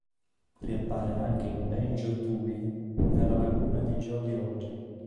Riappare anche in "Banjo-Tooie" nella laguna di Jolly Roger.